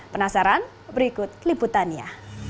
penasaran berikut liputannya